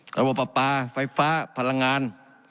สถานบุประปาศไฟฟ้าพลังงาน